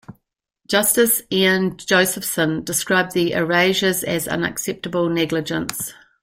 Justice Ian Josephson described the erasures as "unacceptable negligence".